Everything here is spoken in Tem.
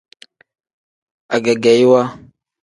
Agegeyiwa.